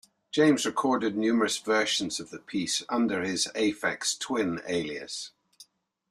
James recorded numerous versions of the piece under his Aphex Twin alias.